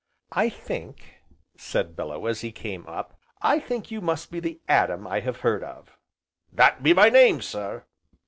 "I think," said Bellew, as he came up, "I think you must be the Adam I have heard of." "That be my name, sir."